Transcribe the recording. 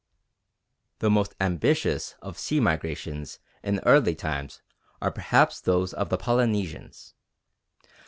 The most ambitious of Sea Migrations in early times are perhaps those of the Polynesians.